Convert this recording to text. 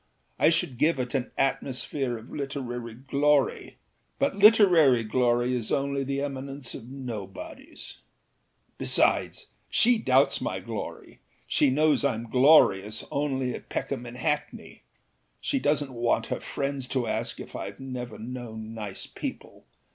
I should give it an atmosphere of literary glory, but literary glory is only the eminence of nobodies. Besides, she doubts my gloryâshe knows Iâm glorious only at Peckham and Hackney. She doesnât want her friends to ask if Iâve never known nice people.